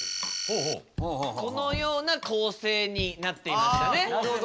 このような構成になっていましたね。